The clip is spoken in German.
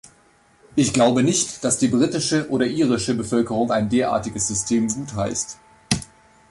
Ich glaube nicht, dass die britische oder irische Bevölkerung ein derartiges System gutheißt.